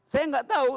saya gak tahu